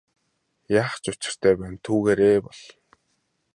Яах л учиртай байна түүгээрээ бол.